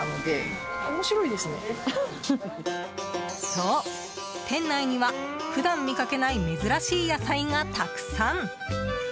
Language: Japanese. そう、店内には普段見かけない珍しい野菜がたくさん。